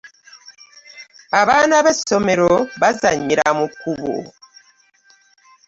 Abaana b'esomero bazannyira mu kkubo.